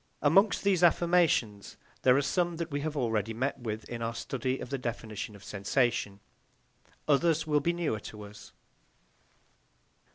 Amongst these affirmations there are some that we have already met with in our study of the definition of sensation; others will be newer to us.